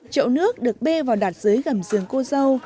chậu nước được bê vào đạt dưới gầm giường cô dâu